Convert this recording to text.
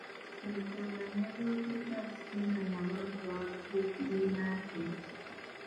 Bino Kyagulanyi yabyogedde asisinkanye abamu ku bawagizi b’ekibiina kye.